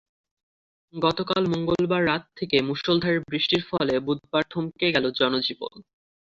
গতকাল মঙ্গলবার রাত থেকে মুষলধারে বৃষ্টির ফলে বুধবার থমকে গেল জনজীবন।